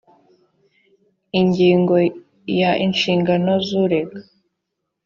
ingingo ya inshingano z urega